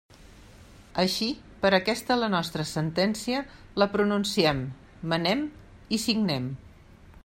Així per aquesta la nostra sentència, la pronunciem, manem i signem.